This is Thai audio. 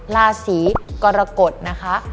ราศีกรกฎนะคะ